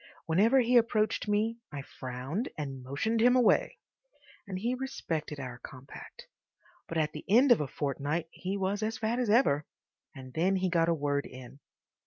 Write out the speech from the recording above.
Whenever he approached me I frowned and motioned him away, and he respected our compact, but at the end of a fortnight he was as fat as ever. And then he got a word in.